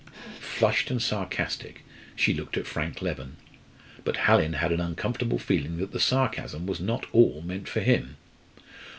Flushed and sarcastic, she looked at Frank Leven; but Hallin had an uncomfortable feeling that the sarcasm was not all meant for him.